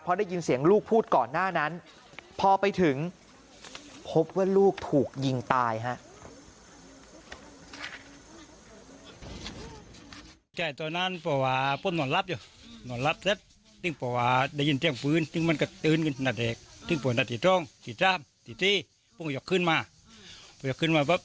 พอได้ยินเสียงลูกพูดก่อนหน้านั้นพอไปถึงพบว่าลูกถูกยิงตายฮะ